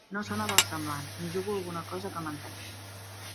No sona versemblant. M'hi jugo alguna cosa que menteix.